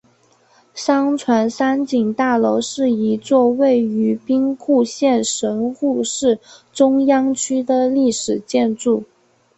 商船三井大楼是一座位于兵库县神户市中央区的历史建筑。